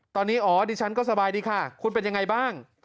ตอนนี้อ๋อดิฉันก็สบายดีค่ะคุณเป็นยังไงบ้าง